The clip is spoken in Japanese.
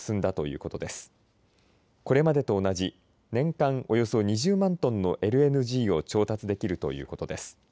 これまでと同じ年間およそ２０万トンのＬＮＧを調達できるということです。